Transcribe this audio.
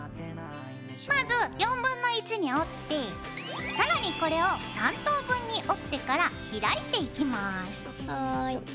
まず1/4に折って更にこれを３等分に折ってから開いていきます。